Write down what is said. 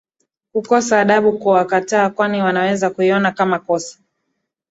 kukosa adabu kuwakataa kwani wanaweza kuiona kama kosa